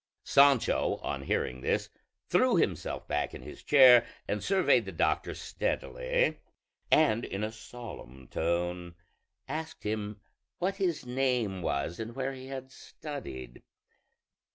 Sancho on hearing this threw himself back in his chair and surveyed the doctor steadily, and in a solemn tone asked him what his name was and where he had studied.